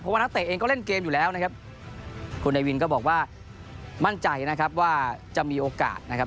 เพราะว่านักเตะเองก็เล่นเกมอยู่แล้วนะครับคุณนายวินก็บอกว่ามั่นใจนะครับว่าจะมีโอกาสนะครับ